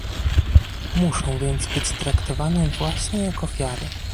Muszą więc być traktowane właśnie jak ofiary